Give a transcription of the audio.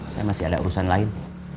saya masih ada urusan lain